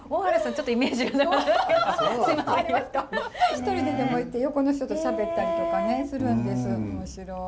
一人ででも行って横の人としゃべったりとかねするんです。